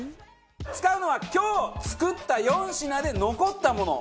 使うのは今日作った４品で残ったもの。